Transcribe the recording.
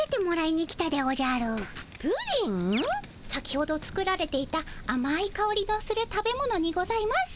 先ほど作られていたあまいかおりのする食べ物にございます。